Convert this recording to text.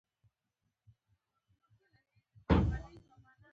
ويې پوښتله د درد دوا دې ورلګولې ده.